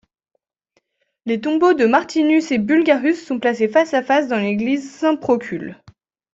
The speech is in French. Les tombeaux de Martinus et Bulgarus sont placés face-à-face dans l'église Saint-Procule.